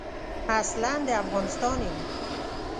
اصلاً د افغانستان یم.